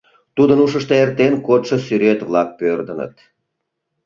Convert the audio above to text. Тудын ушышто эртен кодшо сӱрет-влак пӧрдыныт.